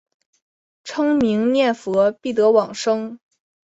称名念佛必得往生。